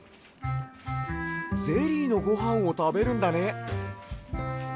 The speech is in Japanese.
ゼリーのごはんをたべるんだね。